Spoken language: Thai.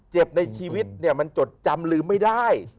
เจ็บในชีวิตมันจดจำลืมไม่ได้